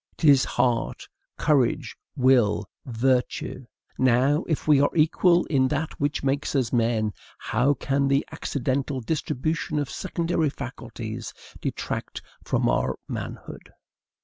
It is heart, courage, will, virtue. Now, if we are equal in that which makes us men, how can the accidental distribution of secondary faculties detract from our manhood?